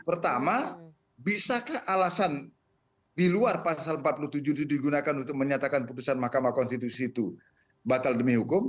pertama bisakah alasan di luar pasal empat puluh tujuh itu digunakan untuk menyatakan putusan mahkamah konstitusi itu batal demi hukum